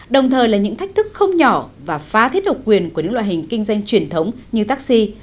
đồng thời là những thách thức không nhỏ và phá thiết độc quyền của những loại hình kinh doanh truyền thống như taxi